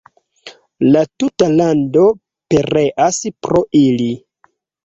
La tuta lando pereas pro ili.